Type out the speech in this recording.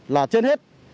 là trên hết